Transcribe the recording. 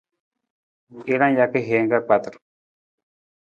Jaraa jaka hiir ka kpatar.